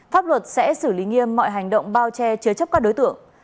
pháp luật sẽ xử lý nghiêm mọi hành động bao che chứa chấp các đối tượng